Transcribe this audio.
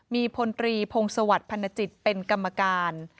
มีพลตรีพงศวรรคพันจิตเป็นกรรมการ